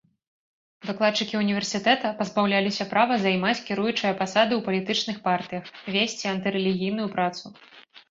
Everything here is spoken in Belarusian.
Выкладчыкі універсітэта пазбаўляліся права займаць кіруючыя пасады ў палітычных партыях, весці антырэлігійную працу.